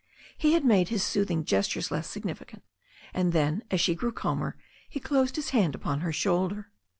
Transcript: He made his soothing gestures less significant, and then, as she grew calmer, he closed his hand upon her shoul der.